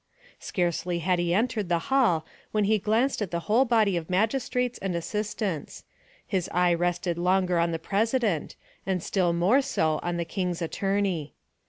Scarcely had he entered the hall when he glanced at the whole body of magistrates and assistants; his eye rested longer on the president, and still more so on the king's attorney.